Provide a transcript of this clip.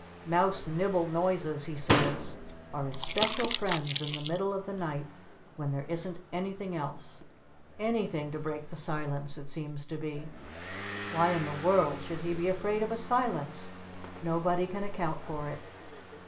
Mouse Nibble Noises he says are his special friends in the middle of the night when there isn't anything else. ANYTHING to break the silence it seems to be! Why in the world should he be afraid of a Silence? Nobody can account for it!"